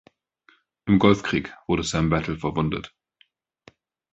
Im Golfkrieg wurde Sam Battle verwundet.